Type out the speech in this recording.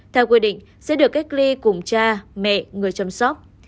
theo quy định sẽ được cách ly cùng cha mẹ người chăm sóc